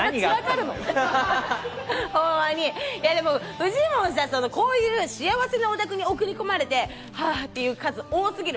フジモンさん、こういう幸せなお宅に送り込まれて、はぁっていう数多すぎる。